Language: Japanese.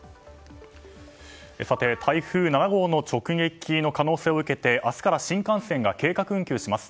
さて、台風７号の直撃の可能性を受けて明日から新幹線が計画運休します。